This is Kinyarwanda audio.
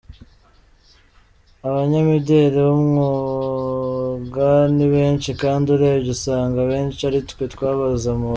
Abanyamideli b’umwuga ni benshi, kandi urebye usanga abenshi ari twe twabazamuye.